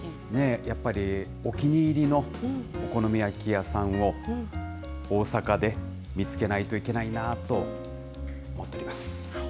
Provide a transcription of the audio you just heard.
やっぱりお気に入りのお好み焼き屋さんを、大阪で見つけないといけないなと思っております。